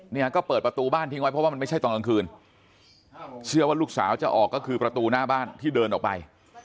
เนี่ยก็เปิดประตูบ้านทิ้งไว้เพราะว่ามันไม่ใช่ตอนกลางคืนเชื่อว่าลูกสาวจะออกก็คือประตูหน้าบ้านที่เดินออกไป